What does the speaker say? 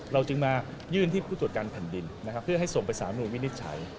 เราจึงมายื่นที่ผู้ตรวจการแผ่นดินนะครับเพื่อให้ส่งไปสารนุนวินิจฉัย